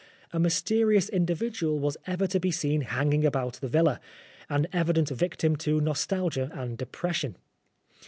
A mysterious in dividual was ever to be seen hanging about the villa, an evident victim to nostalgia and depression.